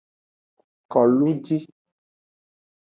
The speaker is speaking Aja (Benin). Koluji.